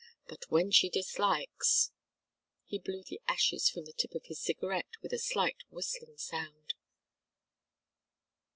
But when she dislikes " He blew the ashes from the tip of his cigarette with a slight whistling sound.